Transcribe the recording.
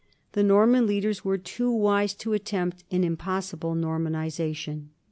The Norman leaders were too wise to attempt an impossible Normanization.